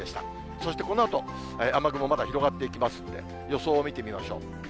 そして、このあと、雨雲まだ広がっていきますんで、予想を見てみましょう。